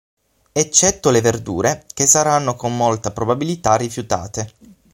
Eccetto le verdure, che saranno con molta probabilità rifiutate.